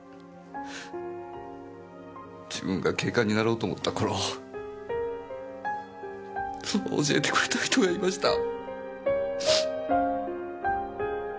自分が警官になろうと思った頃そう教えてくれた人がいました。